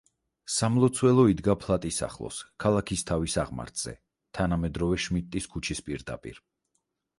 სამლოცველო იდგა ფლატის ახლოს ქალაქისთავის აღმართზე, თანამედროვე შმიდტის ქუჩის პირდაპირ.